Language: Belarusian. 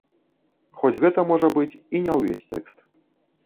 Хоць гэта можа быць і не ўвесь тэкст.